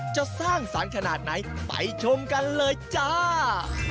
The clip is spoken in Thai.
สร้างสรรค์ขนาดไหนไปชมกันเลยจ้า